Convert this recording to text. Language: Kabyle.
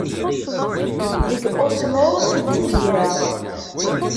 Deg Oslo i ttidireɣ.